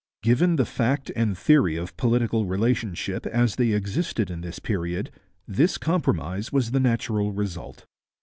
Given the fact and theory of political relationship as they existed in this period, this compromise was the natural result.